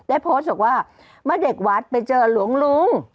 ได้โพสต์บอกว่ามาเด็กวัดไปเจอหลวง